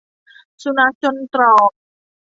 สุนัขจนตรอก